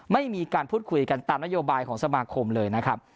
ไม่มีการพูดคุยกันตามนโยบายของสมาคมเลยนะครับ